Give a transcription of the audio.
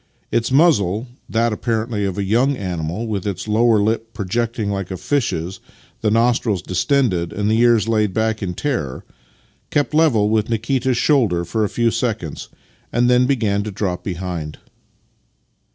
Its muzzle — that, apparently, of a young animal, with its lower lip pro jecting like a fish's, the nostrils distended, and the ears laid back in terror — kept level with Nikita's shoulder for a few seconds, and then began to drop behind.